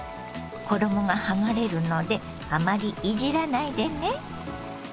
衣が剥がれるのであまりいじらないでね。